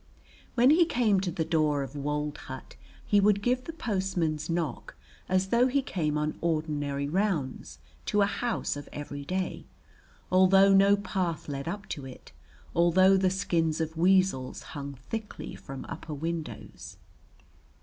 When he came to the door of wold hut he would give the postman's knock as though he came on ordinary rounds to a house of every day, although no path led up to it, although the skins of weasels hung thickly from upper windows.